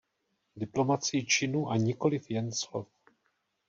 Diplomacii činů a nikoliv jen slov.